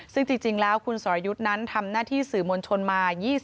ซึ่งจริงแล้วคุณสรยุทธ์นั้นทำหน้าที่สื่อมวลชนมา